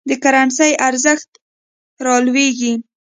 د کرنسۍ ارزښت رالویږي.